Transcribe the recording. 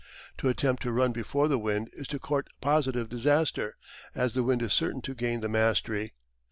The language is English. To attempt to run before the wind is to court positive disaster, as the wind is certain to gain the mastery.